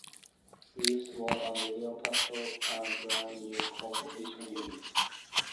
Reeves won a million peso, and brand new condominium unit.